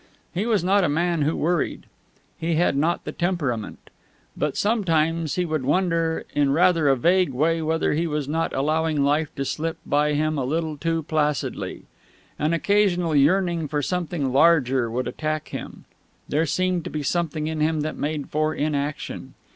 He was not a man who worried. He had not that temperament. But sometimes he would wonder in rather a vague way whether he was not allowing life to slip by him a little too placidly. An occasional yearning for something larger would attack him. There seemed to be something in him that made for inaction.